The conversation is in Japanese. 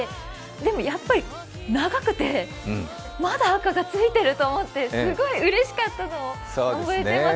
でもやっぱり長くて、まだ赤がついてると思ってすごいうれしかったのを覚えてます。